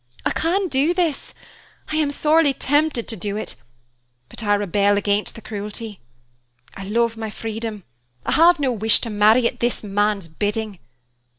I can do this I am sorely tempted to do it, but I rebel against the cruelty. I love my freedom, I have no wish to marry at this man's bidding.